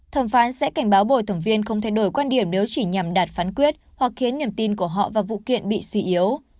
thẩm phán sẽ cảnh báo bồi thường viên không thay đổi quan điểm nếu chỉ nhằm đạt phán quyết hoặc khiến niềm tin của họ vào vụ kiện bị suy yếu